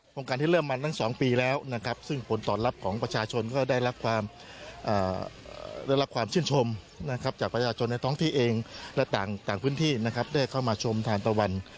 โครงการที่เริ่มมาตั้ง๒ปีแล้วซึ่งผลตอบรับของประชาชนก็ได้รับความชื่นชมจากประชาชนในท้องที่เองและต่างพื้นที่ได้เข้ามาชมทางตะวัน